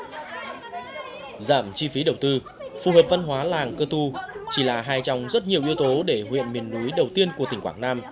giảm chi phí đầu tư phù hợp văn hóa làng cơ tu chỉ là hai trong rất nhiều yếu tố để huyện miền núi đầu tiên của tỉnh quảng nam